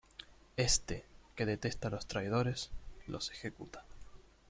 Éste, que detesta a los traidores, los ejecuta.